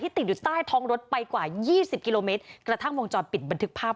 ติดอยู่ใต้ท้องรถไปกว่ายี่สิบกิโลเมตรกระทั่งวงจรปิดบันทึกภาพ